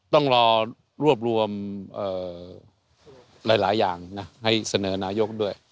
ต้องรอรวบรวมหลายอย่างนะให้เสนอนายกด้วย